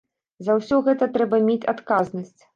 За ўсё гэта трэба мець адказнасць.